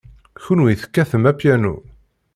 Kenwi tekkatem apyanu.